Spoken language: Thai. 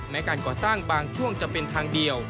การก่อสร้างบางช่วงจะเป็นทางเดียว